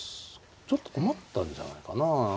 ちょっと困ったんじゃないかな。